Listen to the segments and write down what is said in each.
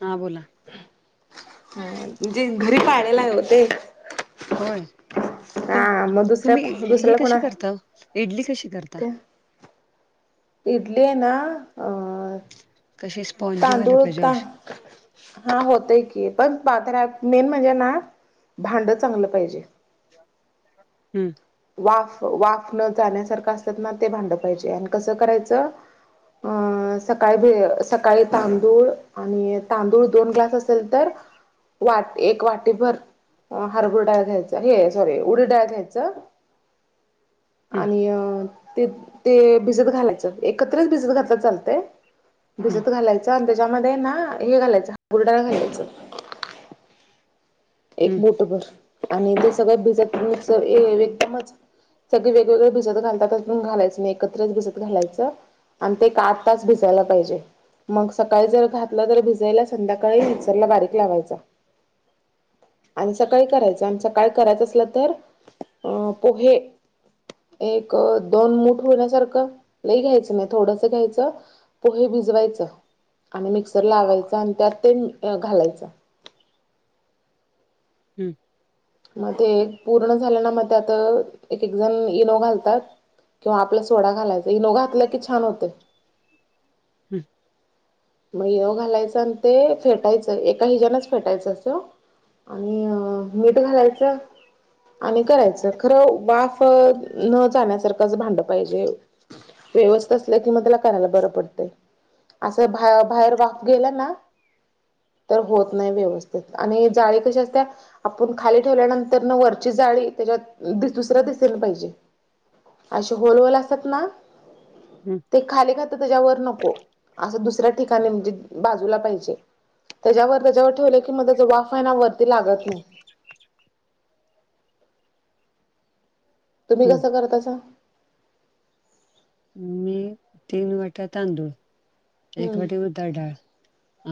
हां बोला हा म्ह जी घरी [unintelligible] होय तु हा मग दुसऱ्या तुम्ही हे दुसऱ्याला कोणा कसे करता इडली कशी करता ते [inaudible] इडली आयना अ कशी स्पॉनजी व्हायला तांदूळ पाहिजे ता अशी - हा होतय की पण पात्रात मेन म्हणजे ना भांड चांगलं पाहिजे हम्म वाफ वाफ न जाण्यासारखं असतात ना ते भांड पाहिजे आणि कसं करायचं अं सकाळी भ सकाळी तांदूळ आणि तांदूळ दोन ग्लास असेल तर वाट एक वाटीभर हरभूर डाळ घ्यायच हे सॉरी उडी डाळ घ्यायच हम्म आणि ते ते भिजत घालायचं एकत्रच भिजत घातलं चालतय हम्म भिजत घालायचं आणि त्याच्यामध्ये ना हे घालायचं हरभुर डाळ घालायचं एक हम्म मुठभर आणि ते सगळं भिजत मिक्स हे एकदमच सगळे वेगवेगळे भिजत घालतात पण घालायचं नाही एकत्रच भिजत घालायचं आणि ते का आठ तास भिजायला पाहिजे मग सकाळी जर घातलं तर भिजयला संध्याकाळी मिक्सरला बारीक लावायचा आणि सकाळी करायचं आणि सकाळी करायचं असलं तर अ पोहे एक दोन मूठ होण्यासारखं लई घ्यायचं नाही थोडंस घ्यायचं पोहे भिजवायचं आणि मिक्सर लावायचं आणि त्यात ते घालायचं हम्म मग ते पूर्ण झालं ना मग ते आता एक एक जण इनो घालतात किंवा आपला सोडा घालायचं इनो घातलं की छान होतय हम् मग इनो घालायच आणि ते फेटायचं एका हिजनाच फेटायचं असं आणि मुठ घालायचं आणि करायचं खरं वाफ न जाण्यासारखंच भांड पाहिजे व्यवस्थ असल्या कि मग त्याला करायला बरं पडतंय असं भाये भायेर वाफ गेला ना तर होत नाही व्यवस्थित आणि ही जाळी कशी असत्या आपण खाली ठेवल्यानंतर न वरची जाळी त्याच्यात दुसर दिसेल पाहिजे अशी होल वाली असत्यात ना हम् ते खाली काय तर त्याच्यावर नको अस दु सऱ्या ठिकाणी म्हंजे बाजूला पाहिजे त्याज्यावर त्याज्यावर ठेवल की म त्याची वाफ हायना वरती लागत नाही तुम्ही हम्म. कसं करतासा मी तीन वाट्या तांदूळ एक हम्म वाटी उडदा डाळ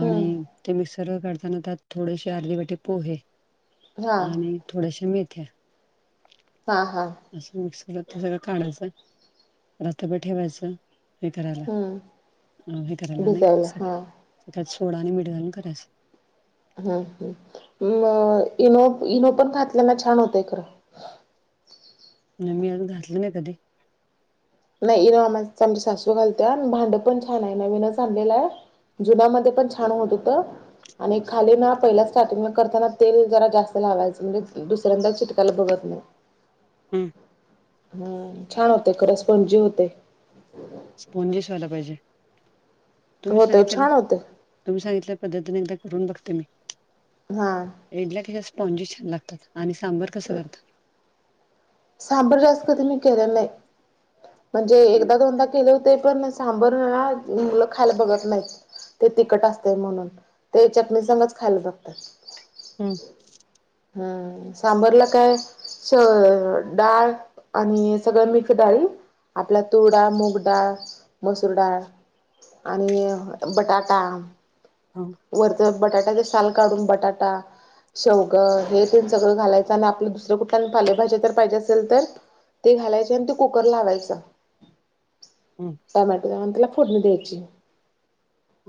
आणि हम्म ते मिक्सर वर काढताना त्यात थोडेशी आरधी वाटी पोहे हा आणि थोड्याश्या मेथ्या हा हा असं मिक्सर वर काढायचं रातभर ठेवायचं हे करायला हम अ हे करायला आणि त्यात सोडा आणि मीठ घालून करायच हो हो म इनो इनो पण घातल्याना छान होतंय खरं नाई मी अजुन घातलं नाही कधी नाही [unintelligible] आमची सासू घालत्या भांडं पण छान आहे नवीनच आणलेलं आहे जुनामध्ये पण छान होत होत आणि खाली ना पहिल्या स्टार्टिंग म करताना तेल जरा जास्त लावायचं म्हणजे दुसऱ्यांदा चिटकायला बघत नाही हम् छान होते खरंच स्पंजी होतय स्पोनजिस व्हायला पाहिजे तुम्ही होते सांगितल छान ना होते तुम्ही सांगितल्या पद्धतीने एकदा करून बघते मी. हा. इडल्या कशा स्पॉन्जी छान लागतात आणि सांबर कसं करतात? सांभर जास्त कधी मी केले नाही म्हणजे एकदा दोनदा केले होते पण सांबर ह मुलं खायला बघत नाहीत. ते तिखट असते म्हणून ते चटणी सगच खायला बागतात. हम. हम्म सांबरला काय स डाळ आणि सगळ मिक्स डाळी आपल्या तुरडाळ मुगडाळ मसूर डाळ आणि बटाटा. हा. वरच बटाट्याचे साल काढून बटाटा. शेवगं हे तेन सगळं घालायचं आणि आपल्या दुसऱ्या कुठल्या फलेभाज्या तर पाहिजे असेल तर ते घालायचे आणि ते कुकर लावायच. हम. टोमॅटो त्याला फोडणी द्यायची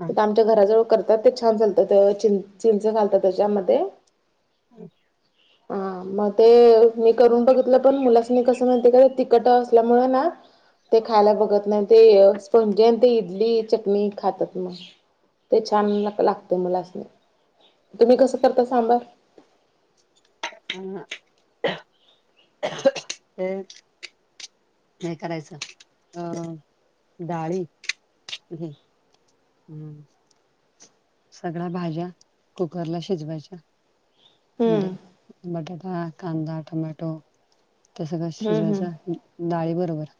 हा आमच्या घराजवळ कर ते छान झाल्त चिंच घालतात त्याच्यामध्ये [inaudible] हा मग ते मी करून बघितलं पण मुलासनी कस माहितीय का त कट असल्यामुळे ना ते खायला बघत नाही ते स्पॉन्जी आणि ते इडली चटणी खातात मग. ते छान लागतं मलासनी तुम्ही कसं करता सांबार? [inaudible] हे करायचं अ डाळी हम्म. सगळ्या भाज्या कुकरला शिजवायच्या हम्म बटाटा कांदा टमॅटो त्या सगळं हम्म हम्म शिजवायच् डाळी बरोबर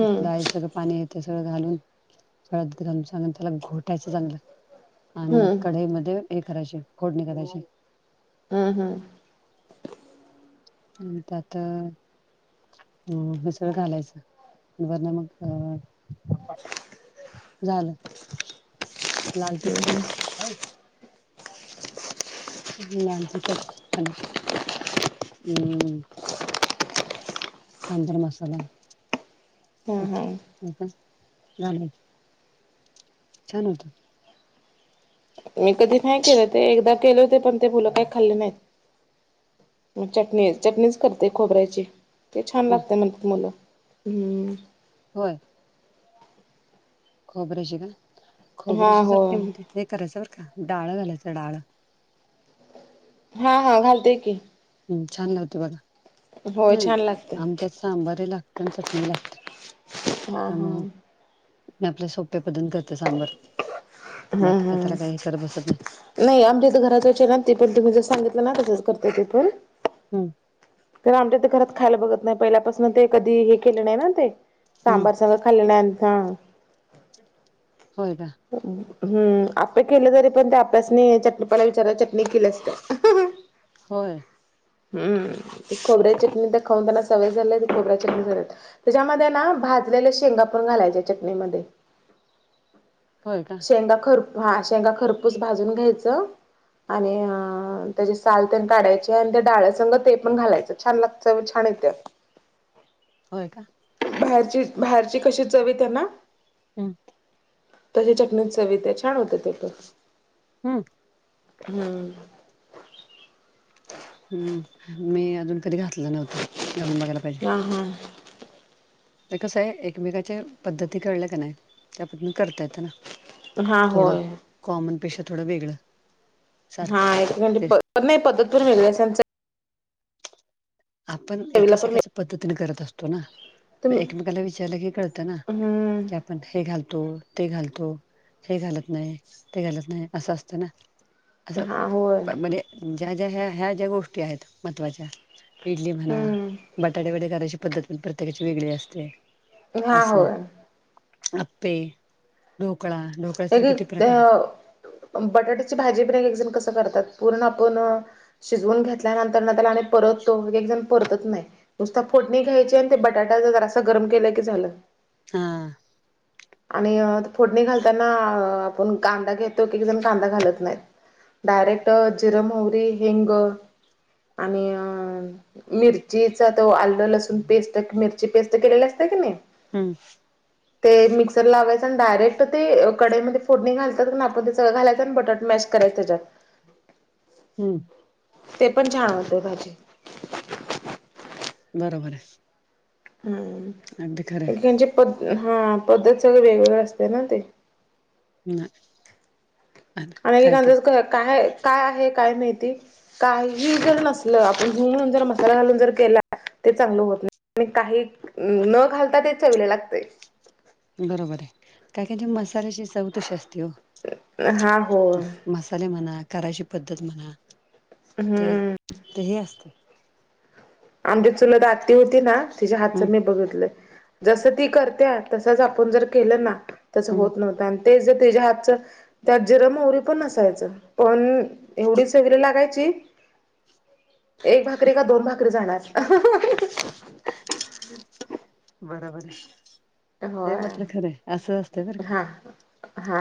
तर डाळी सग पाणी येत सगळं घालून सगळ्यात गरम चांग त्याला घोटायचं चांगलं. आणि मग हम्म कढई मध्ये हे करायचे फोडणी करायची. हा हा. त्यात हम हे सगळं घालायचं [unintelligible] मग अ झालं लाल तिखट लाल तिखट आणि हम्म. सांबर मसाला. हम्म हम्म छान होत. मी कधी नाही केले ते एकदा केले होते पण ते मुल काही खाल्ले नाहीत. चटणी चटणीच करते खोबऱ्याची ते छान ह लागते म्हणतात मुलं. हम. होय. खोबर्याची का हा खोबऱ्याची हो चटणी मध्ये हे करायचं बरं का डाळ घालायचं डाळ. हा हा घालते की. हम्म छान लागतं बघ आता. होय छान लागते आमच्यात सांबार ही लागतं आणि चटणी लागते. हा हा. त्यामुळ मी आपल्या सोप्या पद्धतीनं करते सांबर हा बाकीच्या हा त्याला काही कर बसत नाही. नाही आमच्या तर घरात वच्या ना ते पण तुम्ही जर सांगितलं ना तसंच करत ते पण. हम्म कारण आमच्या ते घरात खायला बघत नाही पहिल्यापासून ते कधी हे केले नाही ना ते हम्म सांबार सग खाललाथ होय का हम्म आपे केले तरी पण त्या आप्यासने चटणीपाला विचाराला चटणी केली असते होय हम्म खोबऱ्या चटणी द खाऊन त्यांना सवय झाल्याय खोबऱ्या चटणी झाल्यात त्याच्यामध्ये ना भाजलेल्या शेंगापून घालायच्या चटणीमध्ये हो का शंगा खर हा शेंगा खरपूस भाजून घ्यायचं आणि त्याचे साल त्या काढायचे आणि त्या डाळ्यासंग ते पण घालायचं छान लागतं छान येते होय का बाहेरची बाहेरची कशी चवी त्यांना हां तशी चटणीत सवित्या छान होत ते प हम्म हम्म हम्म मी अजून कधी घातलं नव्हतं घालून बघायला पाहिजे हां हां ब कस आहे एकमेकाच्या पद्धती कळल्या का नाही त्या पद् करता येत ना हा थोडं होय कॉमन पेशा थोडं वेगळं हा सारखं एकंे तेच नाही पद्धत पण मि आपण चवीला एकाच पण एकाच वेग पद्धतीने करत असतो ना म तुम एकमेकाला विचारलं की कळतं ना की हम्म आपण हे घालतो ते घालतो हे घालत नाही ते घालत नाही असं असतं ना हा होय असं म्हणजे ज्या ज्या ह्या ह्या ज्या गोष्टी आहेत महत्त्वाच्या इडली म्हणा हम्म बटाटे वडे करायची पद्धत पण प्रत्येकाची वेगळी असते हा असं होय आपे ढोकळा ढोकळ एक तर किती एक प्रकार अ बटाट्याची भाजी पण एक एकजण कसं करतात पूर्ण आपण शिजवून घेतल्यानंतर ना त्याला आणि परतो एक जण परतत नाही नुसता फोडणी घ्यायचे आणि ते बटाटा जरा असं गरम केलं की झालं हा आणि फोडणी घाल त्यांना आपण कांदा घेतो की जण कांदा घालत नाहीत डायरेक्ट जिरमी हेंग आणि अ मिरचीचा तो आलं लसूून पेस्ट मिरची पेस्ट केलेली असत कि नाही हम् ते मिक्सर लावायचं आणि डायरेक्ट ते कढीईमध्ये फोडणी घालतात आपण तेगळं घालायचं आणि बटाट मॅशरायं त्याच्यात हम्म ते पण छान होते भाजी. बरोबर आहे. हा अगदी खरं आहे एकेकांची पद्धत हा पद्धत सगळ वेगवेगळे असते ना ते, ना एकेकांच काय काय आहे काय माहिती काय. मीठ जर नसल आपण हू म्हणून जर मसाला घालून जर केला ते चांगलं होत नाही आणि काही न घालता ते चवीला लागतय. बरोबर आहे. काही काहीची मसाल्याची चव तशी असते हो. हा हो मसाले म्हणा करायची पद्धत म्हणा ते हम्म तेही असते. आमची चुलत आती होती ना तिच्या हम्म हातचं मी बघितलं जस ती करत्या तसच आपण जर केलं ना तस हम्म होत नव्हतं आणि ते जर त्याच्या हातच त्यात जिर मोहरी पण नसायचं पण एवढी सगरी लागायची. एक भाकरी का दोन भाकरी जाणार बरोबर होय हे मात्र खरं आहे असं असतं बरं का हा हा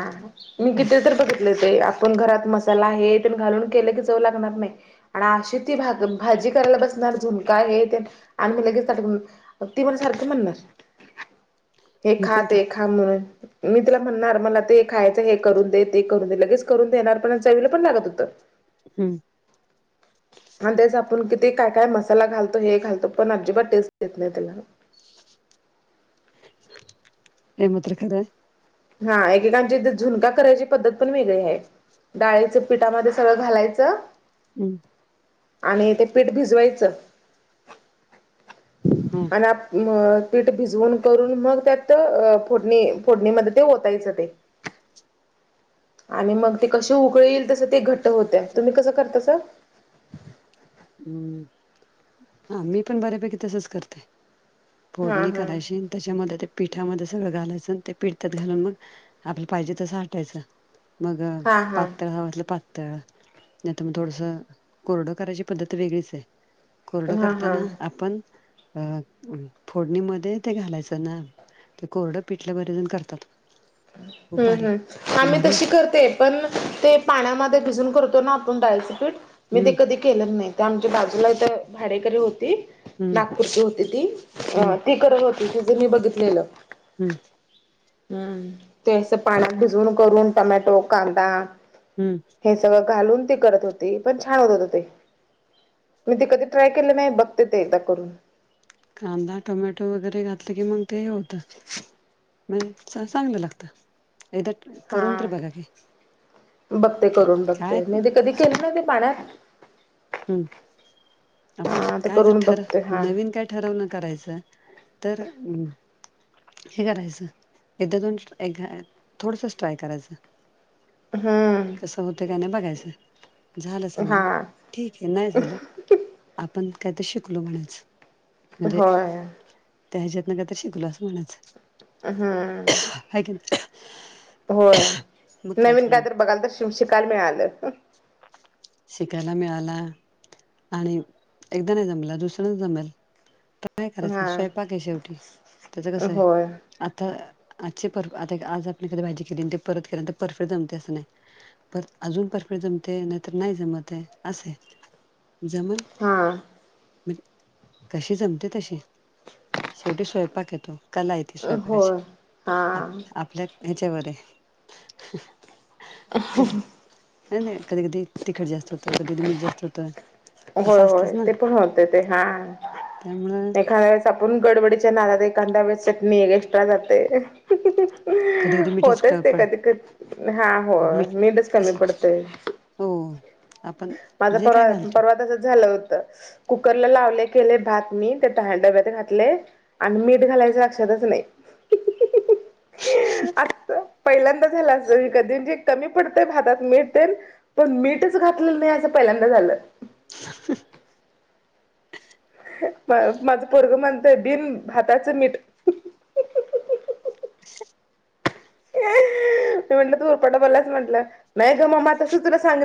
मी काय किथ तर बघ. ते आपण घरात मसाला हे तेन घालून केले की चव लागणार नाही. आणि अशी ती भाक भाजी करायला बसणार झुणका हे तेन आणि मी लगेच ताट घेऊन ती मला सारखं म्हणणार. हे मी खा पण ते खा म्हणून, मी तिला म्हणणार मला ते खायचं हे करून दे. ते करून दे लगेच करून देणार पण चवीला पण लागत होतं. हम्म. आणि तेच आपण किती काय, काय मसाला घालतो हे घालतो पण अजिबात टेस्ट येत नाही त्याला, हे मात्र खरं. हा एकेकांची झुणका करायची पद्धत पण वेगळी आहे. डाळीचं पीठामध्ये सगळं घालायचं हम्म आणि ते पीठ भिजवायचं. हम आणि आत मग पीठ भिजवून करून मग त्यात फोडणी फोडणीमध्ये ते ओतायचं ते आणि मग ते कशी उकळी येईल तसं ते घट्ट होतंय. तुम्ही कसं करतासा? हम्म हा मी पण बऱ्यापैकी तसच करते. हा फोडणी हा करायची त्याच्यामध्ये ते पिठामध्ये सगळं घालायचं आणि ते पिठ त्यात घालून मग आपलं पाहिजे तसं आटायचं. मग हा हा पातळ हव असल पातळ नाही तर मग थोडस कोरडं करायची पद्धत वेगळीच आहे. कोरड हा हा. करताना आपण अ फोडणीमध्ये ते घालायचं ना ते कोरडं पिठलं बरेच जण करतात. खूप हम्म भारी हम्म आम्ही भारी तशी करते. पण ते पाण्यामध्ये भिजून करतो ना आपण डाळीचं पीठ मी ते हम्म कधी नाही. ते आमच्या बाजूला इथ भाडेकरी होती हम्म नागपुरची होती हम्म ती करत होती. तिझं मी बघितलेलं. हम्म हम्म ते अस पाण्यात भिजून करून टोमॅटो, कांदा हम्म हे सगळं घालून ती करत होती. पण छान होत होत ते. मी ते कधी ट्राय केले नाही. बघते ते एकदा करून कांदा, टोमॅटो वगैरे घातलं की मग ते होत. म्हण चांगलं लागत. एकदा करून तर हा बघा की, बघते करून काय बघते मी ते कधी केलं नव्हते पाण्यात हम् आपण हा ते कायतर करून ठर बघते हा नवीन काय ठरवण करायचं तर हे करायचं एकदा दोन एक थोडसच ट्राय करायचं हम्म होत का नाही बघायचं झालं चांगलं हा ठीक आहे नाही झालं आपण काय तर शिकलो म्हणायाच म्हणजे होय त्या ह्याच्यातनं काय शिकलो असं म्हणायचं. हम्म हाय कणी होय. नवीन काय तर बघायला तर शिकायला मिळालं. शिकायला मिळाला आणि एकदा नाही जमला दुसऱ्यांदा जमेल. तसं नाही करायच हा स्वयंपाक आहे. शेवटी त्याचं कसं आहे. होय आता आजची परफ आता आज आपण कधी भाजी केली ते परत केली परफेक्ट जमते असं नाही. पर अजून परफेक्ट जमते नाहीतर नाही जमत असं जमल हा मे कशी जमते तशी शेवटी स्वयंपाक हे तो कला हाय ती होय हा स्वयंपाकाची आपल्या हच्यावर हाय कधी नाही नाही कधी कधी तिखट जास्त होतं कधी कधी मीठ जास्त होतं होय असं असतच होय ना ते पण होते ते हा त्यामुळं एखाद्या वेळेस आपून गडबडीच्या नादात एखांद्या वेळेस चटणी एक्स्ट्रा जाते कधी कधी मीठच क होतच ते पड कधी कधी ते हा हो मीठ मिठीच कमी तस पडतय हो आपण माझ जे काय परवा घालतो परवा तसच झालं होत कुकरला लावले केले भात मी ते डब्यात घातले आणि मीठ घालायचे लक्षातच नाही अस पहिल्यांदा झालं अस कधी म्हणजे कमी पडतय भातात मिठ तेन पण मीठच घातलेलं नाही असं पहिल्यांदा झालं [inaudible] माझं पोरगं म्हणतय बिन भाताचं मीठ [unintelligible] मी म्हटलं तू उरपाट बोललास म्हटलं नाही ग ममा तस तुला सांगित